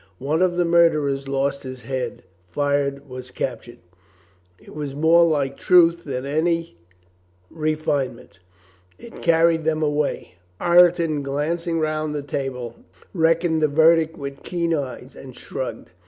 One of the murderers lost his head — fired — was captured. It was more like truth than any re ROYSTON DELIVERS HIS SOUL 427 finement. It carried them away. Ireton, glancing round the table, reckoned the verdict with keen eyes and shrugged.